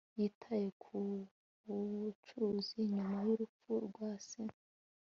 yitaye ku bucuruzi nyuma y'urupfu rwa se